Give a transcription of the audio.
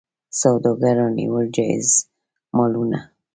سوداګرو رانیول جایز مالونه.